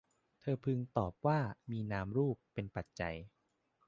เธอพึงตอบว่า มีนามรูป เป็นปัจจัย